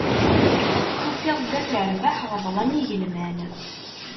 Tufiḍ-d at rbaḥ ɣeḍlen igelman.